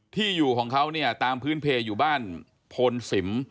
ที่อยู่ของเขาเนี่ยตามพื้นเพลอยู่บ้านโพนสิม